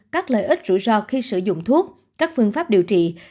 các lợi ích rủi ro khi sử dụng thuốc các phương pháp điều trị